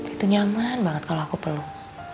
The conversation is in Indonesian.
itu nyaman banget kalo aku peluh